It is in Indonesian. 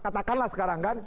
katakanlah sekarang kan